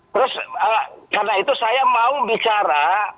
terus karena itu saya mau bicara